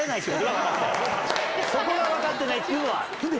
そこが分かってないっていうのはある。